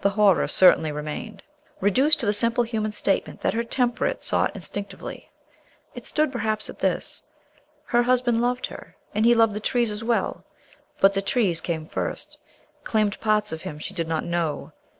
The horror certainly remained. Reduced to the simple human statement that her temperament sought instinctively, it stood perhaps at this: Her husband loved her, and he loved the trees as well; but the trees came first, claimed parts of him she did not know.